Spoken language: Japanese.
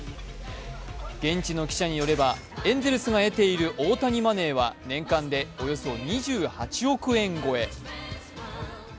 現地の記者によれば、エンゼルスが得ている大谷マネーは年間でおよそ２８億円超え。